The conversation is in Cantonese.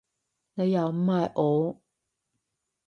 你又唔係我